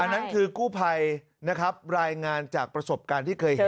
นั่นคือกู้ภัยนะครับรายงานจากประสบการณ์ที่เคยเห็น